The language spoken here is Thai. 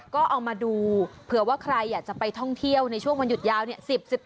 ก็เอามาดูเผื่อว่าใครอยากจะไปท่องเที่ยวในช่วงวันหยุดยาวเนี่ย